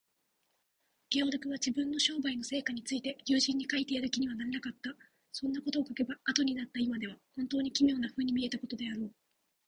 ゲオルクは、自分の商売の成果について友人に書いてやる気にはなれなかった。そんなことを書けば、あとになった今では、ほんとうに奇妙なふうに見えたことであろう。